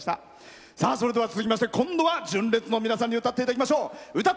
それでは続きまして今度は純烈の皆さんに歌っていただきましょう。